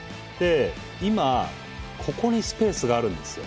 今ここにスペースがあるんですよ。